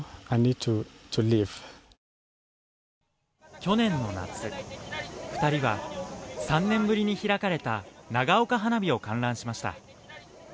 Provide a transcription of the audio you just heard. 去年の夏、２人は３年ぶりに開かれた長岡花火を観覧しました。